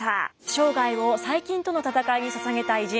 生涯を細菌との闘いに捧げた偉人